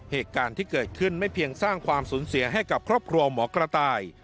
เหตุการณ์ที่เกิดขึ้นไม่เพียงสร้างความสูญเสียให้กับครอบครัวหมอกระต่าย